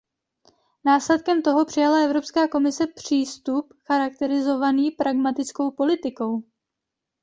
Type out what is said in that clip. Následkem toho přijala Evropská komise přístup charakterizovaný pragmatickou politikou.